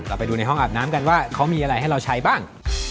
ไปดูในห้องอาบน้ำกันว่าเขามีอะไรให้เราใช้บ้าง